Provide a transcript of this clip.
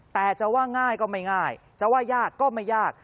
แต่จะว่าง่ายก็ไม่ง่ายจะว่ายากก็ไม่ยาก